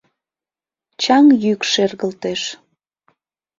Чаҥ йӱк шергылтеш.